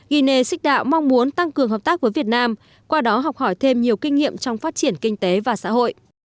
guinea six đạo mong muốn tăng cường hợp tác với việt nam qua đó học hỏi thêm nhiều kinh nghiệm trong phát triển kinh tế và xã hội